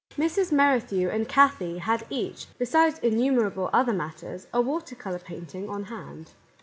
Mrs. Merrithew and Kathie had each, be sides innumerable other matters, a water colour painting on hand.